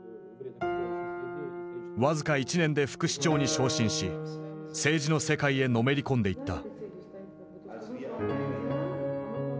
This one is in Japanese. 僅か１年で副市長に昇進し政治の世界へのめり込んでいった。